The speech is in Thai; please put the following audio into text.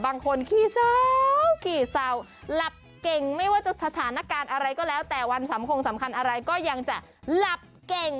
ขี้เศร้าขี้เศร้าหลับเก่งไม่ว่าจะสถานการณ์อะไรก็แล้วแต่วันสัมคงสำคัญอะไรก็ยังจะหลับเก่ง